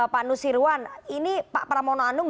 pak nusirwan ini pak pramono anung